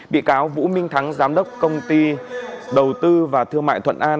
bị cáo vũ minh thắng giám đốc công ty đầu tư và thương mại thuận an